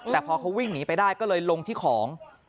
แต่พอเขาวิ่งหนีไปได้ก็เลยลงที่ของ